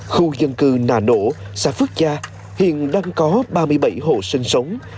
khu dân cư nà nổ xã phước cha hiện đang có ba mươi bảy hộ sinh sống